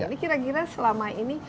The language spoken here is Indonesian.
jadi kira kira selama ini